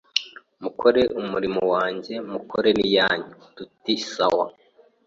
mukore umurimo wanjye, mukore n’iyanyu, tuti sawa